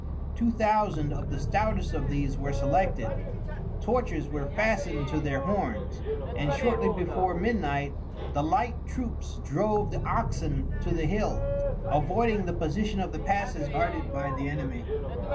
Two thousand of the stoutest of these were selected, torches were fastened to their horns, and shortly before midnight the light troops drove the oxen to the hills, avoiding the position of the passes guarded by the enemy.